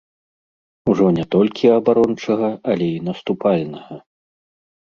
Ужо не толькі абарончага, але і наступальнага.